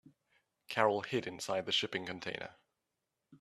Carol hid inside the shipping container.